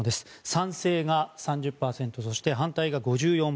賛成が３０％そして、反対が５４％。